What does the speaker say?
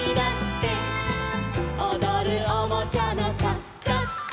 「おどるおもちゃのチャチャチャ」